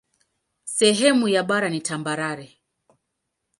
Sehemu ya bara ni tambarare.